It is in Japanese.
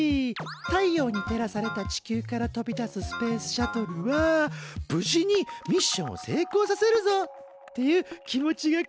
太陽に照らされた地球から飛び出すスペースシャトルは無事にミッションを成功させるぞっていう気持ちがこめられているんだ。